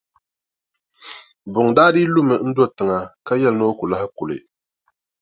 Buŋa daa dii lumi n-do tiŋa ka yɛli ni o ku lahi kuli.